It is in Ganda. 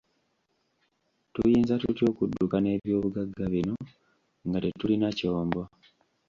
Tuyinza tutya okudduka n'eby'obugagga bino nga tetulina kyombo?